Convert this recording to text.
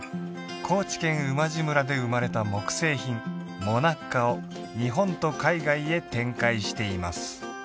高知県馬路村で生まれた木製品ｍｏｎａｃｃａを日本と海外へ展開しています